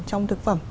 trong thực phẩm